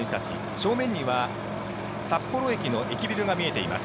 正面には札幌駅の駅ビルが見えています。